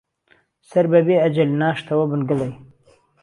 سەر بهبێ ئهجهل ناشتهوە بن گڵی